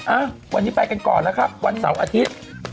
อ่ะวันนี้ไปกันก่อนแล้วครับวันเสาร์อาทิตย์